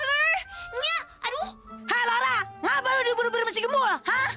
lora kenapa kamu dihubungi dengan si gemul